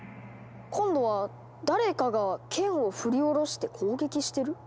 今度は誰かが剣を振り下ろして攻撃してる？